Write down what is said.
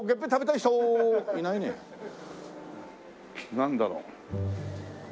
なんだろう？